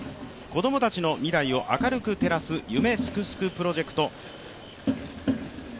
子供たちの未来を明るく照らす夢すくすくプロジェクト。